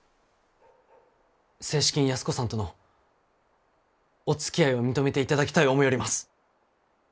正式に安子さんとのおつきあいを認めていただきたい思ようります。